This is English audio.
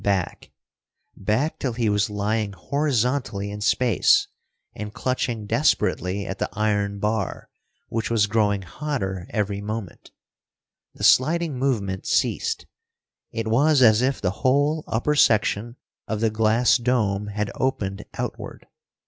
Back back, till he was lying horizontally in space, and clutching desperately at the iron bar, which was growing hotter every moment. The sliding movement ceased. It was as if the whole upper section of the glass dome had opened outward.